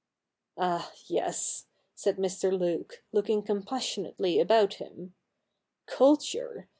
' Ah, yes !' said Mr. Luke, looking compassionately about him. ' Culture